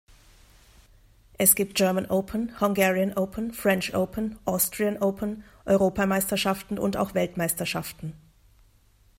Es gibt German Open, Hungarian Open, French Open, Austrian Open, Europameisterschaften und auch Weltmeisterschaften.